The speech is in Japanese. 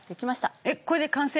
えっこれで完成？